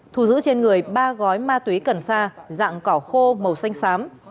thù giữ trên người ba gói ma túy cần sa dạng cỏ khô màu xanh xám